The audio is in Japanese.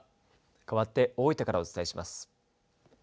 かわって大分からお伝えします。